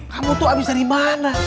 kamu tuh abis dari mana